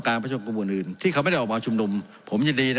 กับผู้ชมกรรมอื่นอื่นที่เขาไม่ออกมาชุมรุมผมยินดีนะครับ